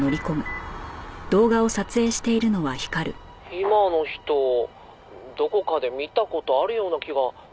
「今の人どこかで見た事あるような気が」